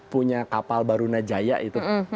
punya kapal barunajaya itu